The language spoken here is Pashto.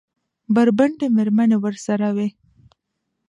بربنډې مېرمنې ورسره وې.